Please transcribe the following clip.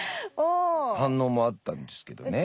反応もあったんですけどね。